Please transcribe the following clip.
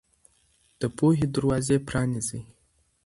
د پوهې دروازې پرانيزئ.